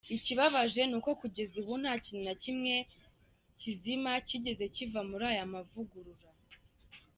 Ikibabaje nuko kugeza ubu nta kintu na kimwe kizima cyigeze kiva muri ayo mavugurura.